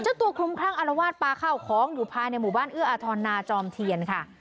เจ้าตัวคลุมคลั่งอารวาสปลาข้าวของอยู่ภายในหมู่บ้านเอื้ออาทรนาจอมเทียนค่ะ